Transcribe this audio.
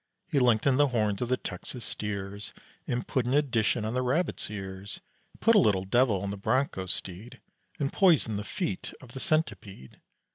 He lengthened the horns of the Texas steers, And put an addition on the rabbit's ears; He put a little devil in the broncho steed, And poisoned the feet of the centipede.